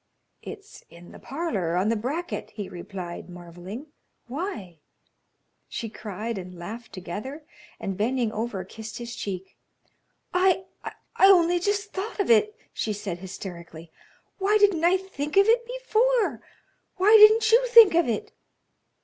"It's in the parlour, on the bracket," he replied, marvelling. "Why?" She cried and laughed together, and bending over, kissed his cheek. "I only just thought of it," she said, hysterically. "Why didn't I think of it before? Why didn't you think of it?"